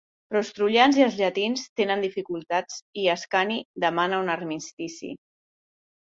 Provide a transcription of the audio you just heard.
Però els troians i els llatins tenen dificultats i Ascani demana un armistici.